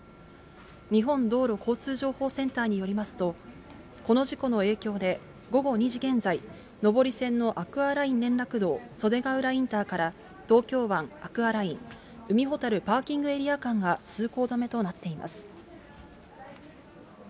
日本道路交通情報センターによりますと、この事故の影響で、午後２時現在、上り線のアクアライン連絡道袖ケ浦インターから東京湾アクアライン海ほたるパーキングエリア間が通行止めとなっています。